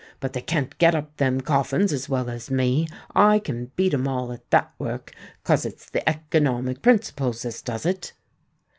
But they can't get up them coffins as well as me: I can beat 'em all at that work—'cause its the economic principles as does it."